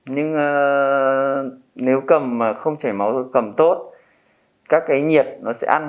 nhưng nếu cầm mà không chảy máu cầm tốt các cái nhiệt nó sẽ ăn